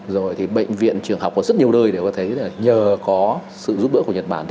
rồi thì bệnh viện trường học có rất nhiều nơi để có thấy là nhờ có sự giúp đỡ của nhật bản